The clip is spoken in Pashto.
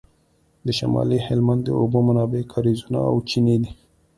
د شمالي هلمند د اوبو منابع کاریزونه او چینې دي